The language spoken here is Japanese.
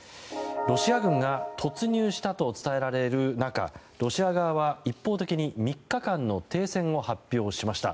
ロシア軍が突入したと伝えられる中ロシア側は一方的に３日間の停戦を発表しました。